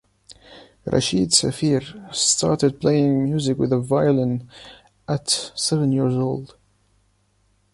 Rachid Safir started playing music with a violin at seven years old.